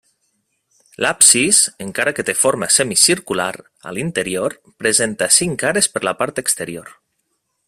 L'absis, encara que té forma semicircular a l'interior, presenta cinc cares per la part exterior.